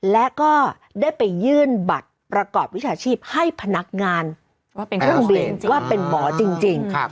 แล้วก็ได้ไปยื่นบัตรประกอบวิทยาชีพให้พนักงานว่าเป็นหมอจริง